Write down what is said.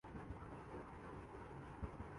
آجکل لالہ کے بجائے ملالہ ملالہ ہوئی پھری ہے ۔